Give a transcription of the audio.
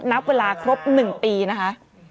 นับเวลาครบ๑ปีนะคะ